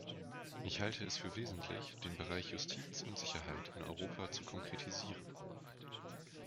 Ich halte es für wesentlich, den Bereich Justiz und Sicherheit in Europa zu konkretisieren.